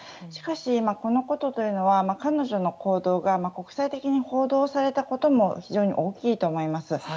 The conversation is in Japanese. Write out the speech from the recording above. しかし、このことは彼女の行動が国際的に報道されたことも非常に大きいと思います。